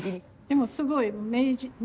でもすごい明治？